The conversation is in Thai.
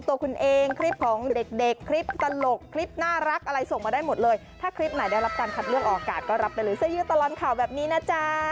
ถ้าคลิปใหม่ได้รับการขัดเรื่องออกาศก็รับได้หรือซะยื้อตลอดข่าวแบบนี้นะจ๊ะ